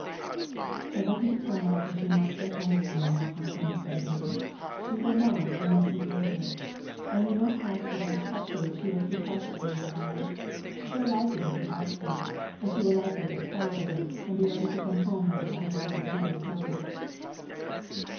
"I want you to tell Martha she must go home with me," Aunt Hannah said again. "She will not, unless you urge it, and you must ask your Aunt Hepsy if she will keep house for you awhile. She'll like it if you ask her, and she will likely get tired of it, and be ready to come home by the time Martha's visit is over."